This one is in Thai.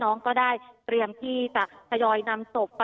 ยังได้พร้อมพยายนทรมาน